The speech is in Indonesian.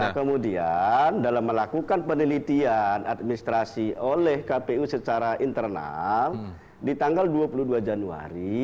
nah kemudian dalam melakukan penelitian administrasi oleh kpu secara internal di tanggal dua puluh dua januari